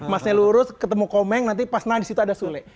masnya lurus ketemu komeng nanti pas nah disitu ada sule